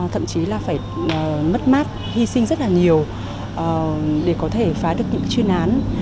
thậm chí là phải mất mát hy sinh rất là nhiều để có thể phá được những chuyên án